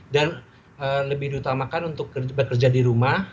dan lebih diutamakan untuk bekerja di rumah